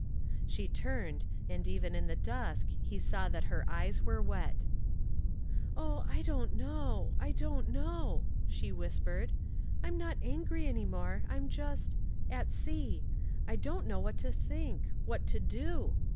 She turned, and even in the dusk he saw that her eyes were wet. "Oh, I don't know, I don't know," she whispered. "I'm not angry any more. I'm just at sea. I don't know what to think what to do.